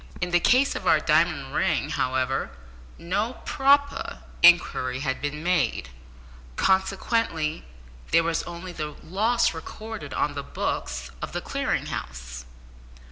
In the case of our diamond ring, however, no proper inquiry had been made, consequently there was only the loss recorded on the books of the Clearing House.